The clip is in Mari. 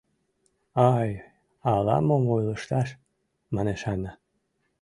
— Ай, ала-мом ойлышташ — манеш Ана.